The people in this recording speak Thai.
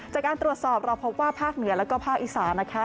จากการตรวจสอบเราพบว่าภาคเหนือแล้วก็ภาคอีสานนะคะ